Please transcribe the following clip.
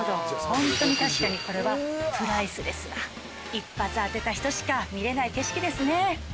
ホントに確かにこれはプライスレスな一発当てた人しか見れない景色ですね。